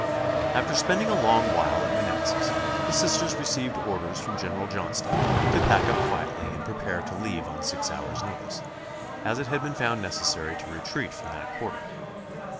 After spending a long while at Manassas the Sisters received orders from General Johnston to pack up quietly and prepare to leave on six hours' notice, as it had been found necessary to retreat from that quarter.